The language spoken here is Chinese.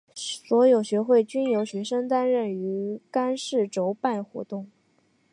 所有学会均由学生担任干事筹办活动。